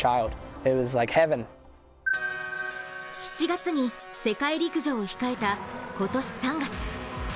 ７月に世界陸上を控えた今年３月。